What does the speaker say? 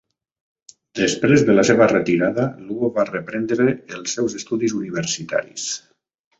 Després de la seva retirada, Luo va reprendre els seus estudis universitaris.